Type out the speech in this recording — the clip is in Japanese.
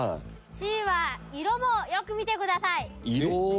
Ｃは色もよく見てください！